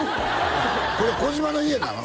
これ児嶋の家なの？